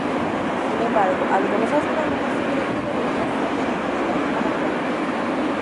Sin embargo, algunos astrónomos creen que debería ser denominada como planeta.